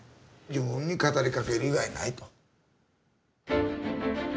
自分に語りかける以外ないと。